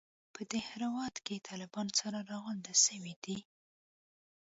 په دهراوت کښې طالبان سره راغونډ سوي دي.